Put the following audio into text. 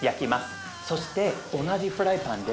そして同じフライパンで。